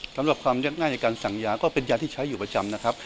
สำหรับความยากง่ายในการสั่งยาก็เป็นยาที่ใช้อยู่ประจำนะครับ